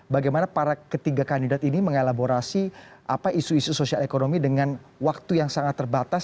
bagaimana para ketiga kandidat ini mengelaborasi isu isu sosial ekonomi dengan waktu yang sangat terbatas